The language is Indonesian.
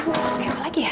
aduh kayak apa lagi ya